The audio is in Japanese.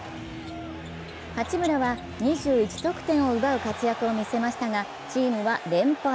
八村は２１得点を奪う活躍をみせましたがチームは連敗。